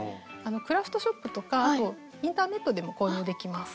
クラフトショップとかあとインターネットでも購入できます。